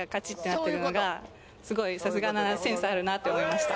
すごいさすがだなセンスあるなって思いました。